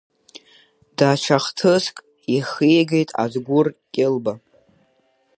Даҽа хҭыск ихигеит Адгәыр Кьылба.